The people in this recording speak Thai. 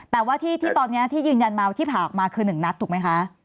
แต่ว่าที่ตอนนี้ที่ยืนยันมาที่ผ่าออกมาคือ๑นัดถูกไหมคะ